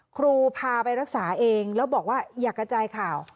ครูพาไปรักษาเองแล้วบอกว่าอยากกระจายข่าว